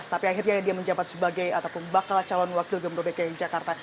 tapi akhirnya dia menjabat sebagai ataupun bakal calon wakil gubernur dki jakarta